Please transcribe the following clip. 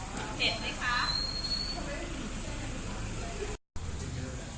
วันนี้ประหลาด